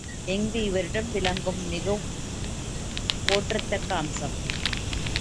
இஃது இவரிடம் விளங்கும் மிகவும் போற்றத்தக்க அம்சம்.